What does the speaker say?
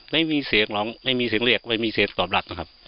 ไม่มีเสียงหรอกไม่มีเสียงเรียกไม่มีเสียงตอบหลักนะครับ